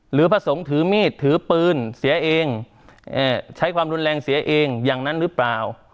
พระสงฆ์ถือมีดถือปืนเสียเองใช้ความรุนแรงเสียเองอย่างนั้นหรือเปล่า